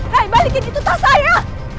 saya balikin itu tas saya